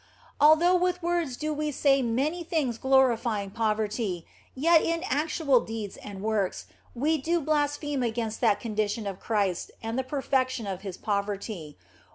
Although with words do we say many things glorifying poverty, yet in actual deeds and works we do blaspheme against that condition of Christ and the perfection of His poverty.